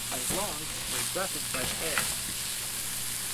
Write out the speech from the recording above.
I longed for a breath of fresh air.